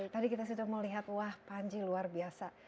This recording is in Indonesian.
tadi kita sudah mau lihat wah panji luar biasa